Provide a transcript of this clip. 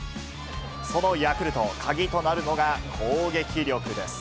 そのヤクルト、鍵となるのが攻撃力です。